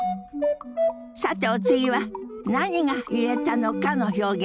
さてお次は何が揺れたのかの表現です。